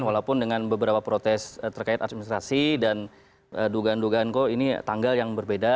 walaupun dengan beberapa protes terkait administrasi dan dugaan dugaan kok ini tanggal yang berbeda